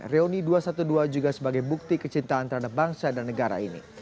reuni dua ratus dua belas juga sebagai bukti kecintaan terhadap bangsa dan negara ini